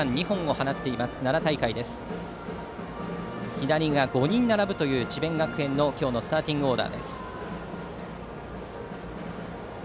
左が５人並ぶという智弁学園の今日のスターティングオーダー。